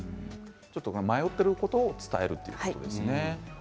迷っていることを伝えるということですね。